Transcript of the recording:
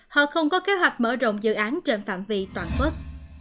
họ không có kế hoạch mở rộng dự án trên phạm vị toàn quốc